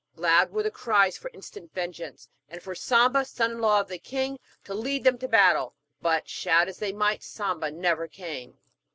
Loud were the cries for instant vengeance, and for Samba, son in law of the king, to lead them to battle. But shout as they might, Samba never came.